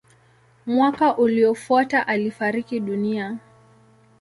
Mwaka uliofuata alifariki dunia.